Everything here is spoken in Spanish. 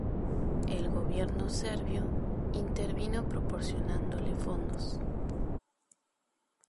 El Gobierno serbio intervino proporcionándole fondos.